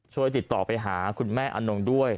ช่วยติดต่อไปหาคุณแม่อนงด้วย